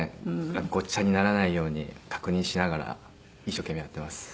だからごっちゃにならないように確認しながら一生懸命やってます。